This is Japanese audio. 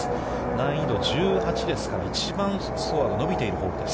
難易度は１８ですから、一番スコアが伸びているホールです。